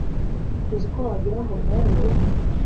uziko wagirango bwari ubukwe.